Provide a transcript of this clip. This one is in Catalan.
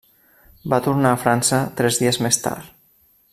Va tornar a França tres dies més tard.